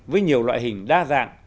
với nhiều loại hình đa dạng